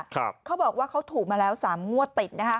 เขาบอกว่าเขาถูกมาแล้วสามงวดติดนะคะ